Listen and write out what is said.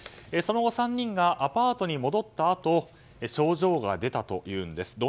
その後、３人がアパートに戻ったあと症状が出たというんです。